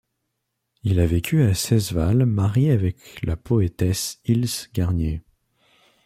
Il a vécu à Saisseval, marié avec la poétesse Ilse Garnier.